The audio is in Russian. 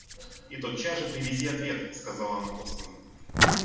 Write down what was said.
И тотчас же привези ответ, — сказала она посланному.